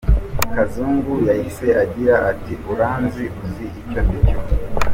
Kazungu yahise agira ati “Uranzi, uzi icyo ndicyo ?